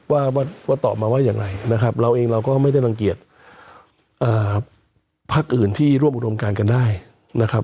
ว่าตอบมาว่าอย่างไรนะครับเราเองเราก็ไม่ได้รังเกียจพักอื่นที่ร่วมอุดมการกันได้นะครับ